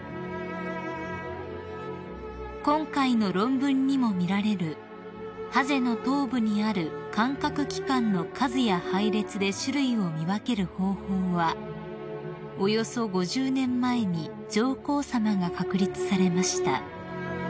［今回の論文にも見られるハゼの頭部にある感覚器官の数や配列で種類を見分ける方法はおよそ５０年前に上皇さまが確立されました］